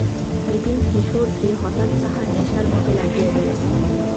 বিপিনকিশোরকে হঠাৎ তাঁহার নেশার মতো লাগিয়া গেল।